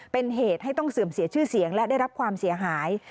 เป็นเหตุให้ต้องเสื่อมเสียชื่อเสียงและได้รับความเสียหาย